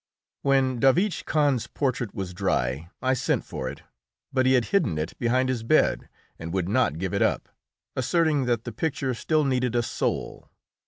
] When Davich Kahn's portrait was dry I sent for it, but he had hidden it behind his bed and would not give it up, asserting that the picture still needed a soul.